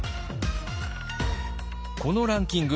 このランキング